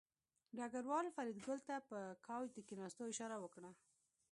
ډګروال فریدګل ته په کوچ د کېناستو اشاره وکړه